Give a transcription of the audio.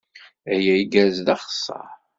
Aya igerrez d axeṣṣar.